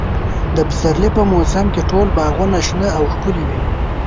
د پسرلي په موسم کې ټول باغونه شنه او ښکلي وي.